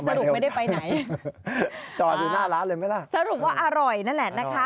สรุปไม่ได้ไปไหนสรุปว่าอร่อยนั่นแหละนะคะ